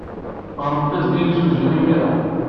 Ɣremt-as-d i yemsujji imir-a.